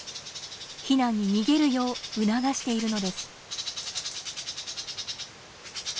ヒナに逃げるよう促しているのです。